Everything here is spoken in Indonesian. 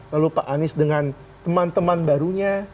lalu pak anies dengan teman teman barunya